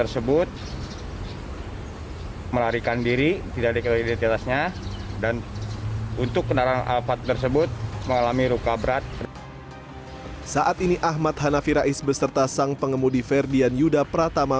saat ini ahmad hanafi rais beserta sang pengemudi ferdian yuda pratama